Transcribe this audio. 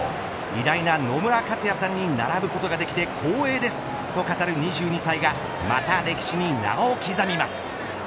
偉大な野村克也さんに並ぶことができて光栄ですと語る２２歳がまた歴史に名を刻みます。